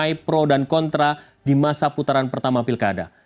kebijakan yang menuai pro dan kontra di masa putaran pertama pilkada